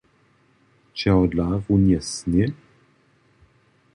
Čehodla runje sněh?